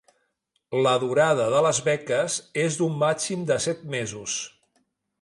La durada de les beques és d'un màxim de set mesos.